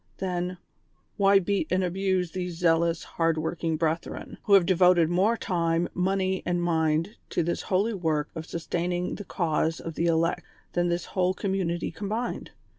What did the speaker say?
Then, why beat and abuse these zealous, hard working brethren, who have devoted more time, money and mind to this holy work of sustaining the cause of the elect than this whole community combined